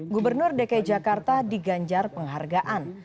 gubernur dki jakarta diganjar penghargaan